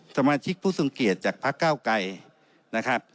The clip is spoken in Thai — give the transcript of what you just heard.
สมาชิกผู้สูงเกียจจากพระเก้าไกร